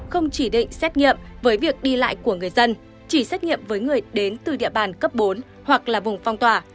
không chỉ định xét nghiệm với việc đi lại của người dân chỉ xét nghiệm với người đến từ địa bàn cấp bốn hoặc là vùng phong tỏa